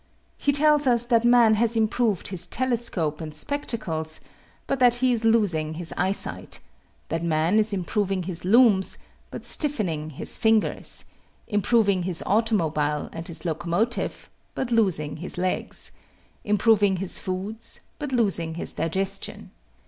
He tells us that man has improved his telescope and spectacles, but that he is losing his eyesight; that man is improving his looms, but stiffening his fingers; improving his automobile and his locomotive, but losing his legs; improving his foods, but losing his digestion.